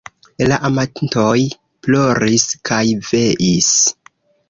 La amantoj ploris kaj veis.